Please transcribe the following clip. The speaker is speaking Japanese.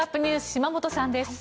島本さんです。